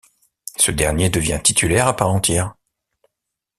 Ce dernier devient titulaire à part entière.